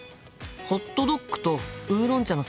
ホットドッグとウーロン茶のセット